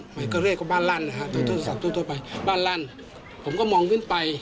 หมายความเรียกว่าบ้านลั่นอ่ะฮะโทรศัพท์โทรไปบ้านลั่นผมก็มองขึ้นไป